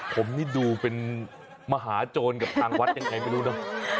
ผมนี่ดูเป็นมหาโจรกับทางวัดยังไงไม่รู้เนอะ